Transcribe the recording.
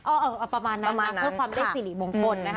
เพิ่มความได้สินีโบงตน